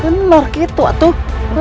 benar gitu atuh